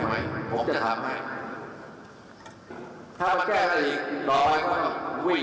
อ่ะนายยกถามว่าถ้าใช้มาตรการเด็ดขาดประชาชนโอ้โหมันก็ไม่มีความคิดว่าจะต้องการแบบนี้